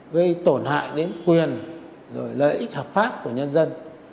gây tổn hại đến quyền lợi ích hợp pháp của nhân dân